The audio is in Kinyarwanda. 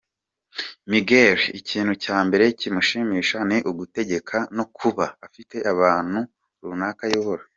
Miguel ikintu cya mbere kimushimisha ni ugutegeka no kuba afite abantu runaka ayobora.